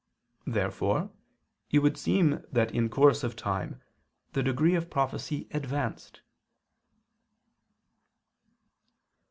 Therefore it would seem that in course of time the degree of prophecy advanced.